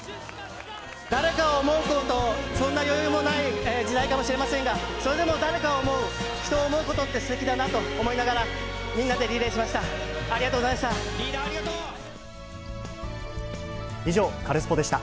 誰かを想うこと、そんな余裕もない時代かもしれませんが、それでも誰かを想う、人を想うことって、すてきだなと思いながら、みんなでリレーしました。